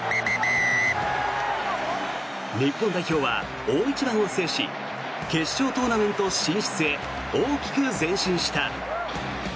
日本代表は大一番を制し決勝トーナメント進出へ大きく前進した。